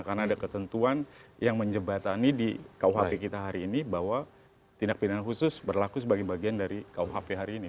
karena ada ketentuan yang menjebatani di rkuhp kita hari ini bahwa tindak pidana khusus berlaku sebagai bagian dari rkuhp hari ini